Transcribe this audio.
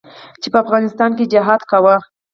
چې په افغانستان کښې يې جهاد کاوه.